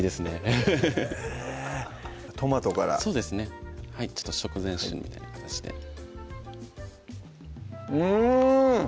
フフフフットマトからそうですねちょっと食前酒みたいな形でうん！